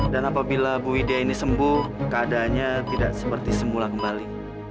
dan apabila ibu idyas ini sembuh keadanya tidak seperti semula kembali